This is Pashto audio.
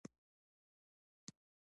ښه ځه نو چې نه شته.